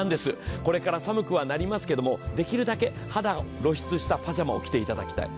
これから寒くはなりますけれども、できるだけ肌を露出したパジャマを着ていただきたい。